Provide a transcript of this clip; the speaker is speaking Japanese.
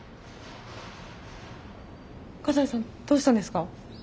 西さんどうしたんですか？